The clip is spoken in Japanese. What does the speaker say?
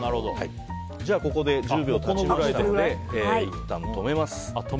ここで１０秒経ちましたのでいったん止めます。